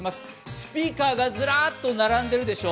スピーカーがずらっと並んでいるでしょ。